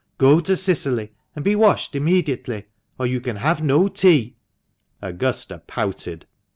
Go to Cicily and be washed immediately, or you can have no tea." Augusta pouted.